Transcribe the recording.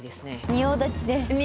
仁王立ちで！